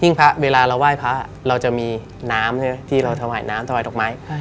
พระเวลาเราไหว้พระเราจะมีน้ำใช่ไหมที่เราถวายน้ำถวายดอกไม้